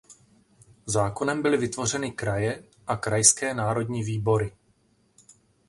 Zákonem byly vytvořeny kraje a krajské národní výbory.